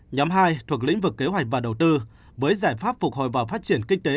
nhóm hai thuộc lĩnh vực kế hoạch và đầu tư với giải pháp phục hồi và phát triển kinh tế